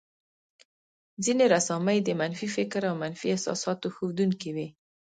ځينې رسامۍ د منفي فکر او منفي احساساتو ښودونکې وې.